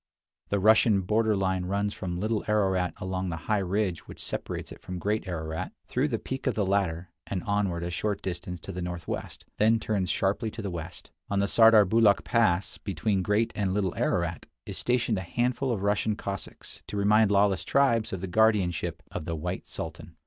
The Russian border line runs from Little Ararat along the high ridge which separates it from Great Ararat, through the peak of the latter, and onward a short distance to the northwest, then turns sharply to the west. On the Sardarbulakh pass, between Great and Little Ararat, is stationed a handful of Russian Cossacks to remind lawless tribes of the guardianship of the "White Sultan."